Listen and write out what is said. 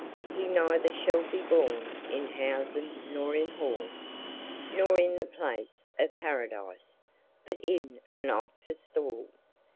"He neither shall be born In housen nor in hall, Nor in the place of Paradise, But in an ox's stall.